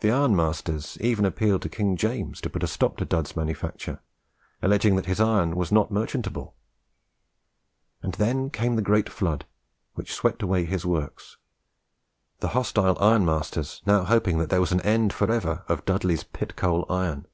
The ironmasters even appealed to King James to put a stop to Dud's manufacture, alleging that his iron was not merchantable. And then came the great flood, which swept away his works; the hostile ironmasters now hoping that there was an end for ever of Dudley's pit coal iron.